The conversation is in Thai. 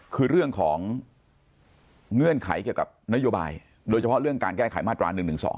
คือเรื่องของเงื่อนไขเกี่ยวกับนโยบายโดยเฉพาะเรื่องการแก้ไขมาตรา๑๑๒